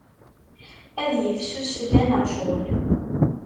Ad yifsus fell-aneɣ ccɣel.